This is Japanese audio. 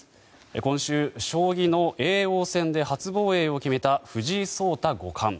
今週、将棋の叡王戦で初防衛を決めた、藤井聡太五冠。